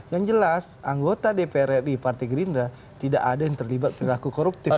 yang jelas anggota dpr ri partai gerindra tidak ada yang terlibat perilaku koruptif